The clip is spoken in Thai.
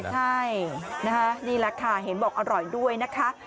ใช่นะคะนี่แหละค่ะเห็นบอกอร่อยด้วยนะคะ